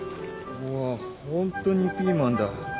うわホントにピーマンだ。